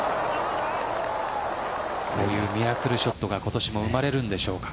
ミラクルショットが今年も生まれるんでしょうか。